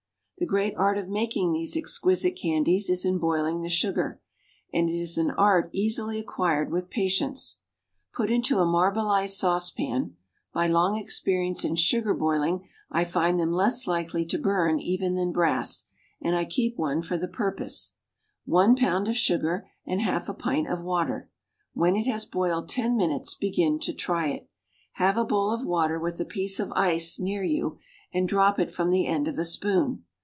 The great art of making these exquisite candies is in boiling the sugar, and it is an art easily acquired with patience. Put into a marbleized saucepan (by long experience in sugar boiling I find them less likely to burn even than brass, and I keep one for the purpose) one pound of sugar and half a pint of water; when it has boiled ten minutes begin to try it; have a bowl of water with a piece of ice near you, and drop it from the end of a spoon.